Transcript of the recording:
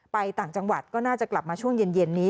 ต่างจังหวัดก็น่าจะกลับมาช่วงเย็นนี้